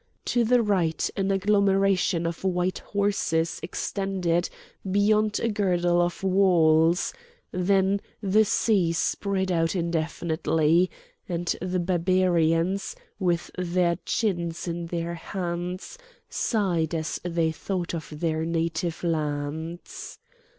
To the right an agglomeration of white houses extended beyond a girdle of walls; then the sea spread out indefinitely; and the Barbarians, with their chins in their hands, sighed as they thought of their native lands.